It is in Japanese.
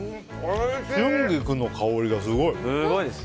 春菊の香りがすごい。